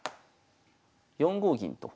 ４五銀と。